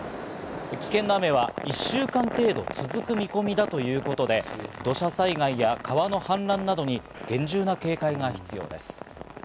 危険な雨は１週間程度続く見込みだということで、土砂災害や川の氾濫などに厳重な警戒が必要です。